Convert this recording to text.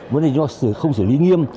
mỗi một công tác không xử lý nghiêm